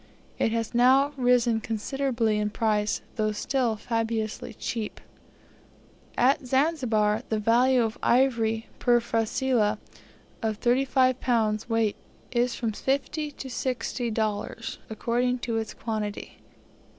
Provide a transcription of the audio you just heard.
It has now risen considerably in price, though still fabulously cheap. At Zanzibar the value of ivory per frasilah of 35 lbs. weight is from $50 to $60, according to its quality.